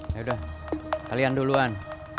yaudah kalian duluan